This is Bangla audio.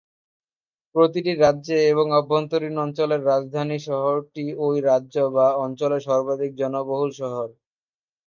প্রতিটি রাজ্যে এবং অভ্যন্তরীণ অঞ্চলের রাজধানী শহরটি ওই রাজ্য বা অঞ্চলের সর্বাধিক জনবহুল শহর।